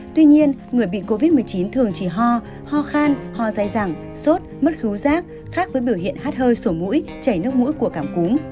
tuy nhiên người bị covid một mươi chín thường chỉ ho ho khan ho dai rẳng sốt mất thú rác khác với biểu hiện hát hơi sổ mũi chảy nước mũi của cảm cúm